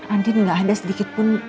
andin gak ada sedikitpun